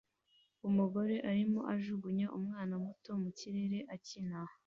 Umugore arimo ajugunya umwana muto mu kirere akina